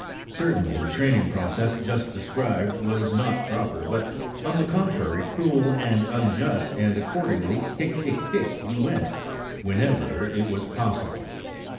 Certainly the training process just described was not proper, but on the contrary cruel and unjust, and accordingly kick, kick, kick he went, whenever it was possible.